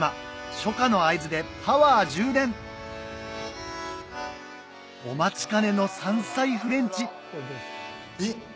初夏の会津でパワー充電お待ちかねの山菜フレンチえっ？